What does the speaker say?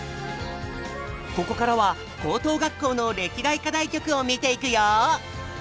ここからは高等学校の歴代課題曲を見ていくよ！